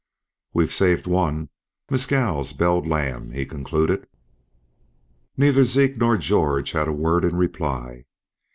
"We've saved one, Mescal's belled lamb," he concluded. Neither Zeke nor George had a word in reply.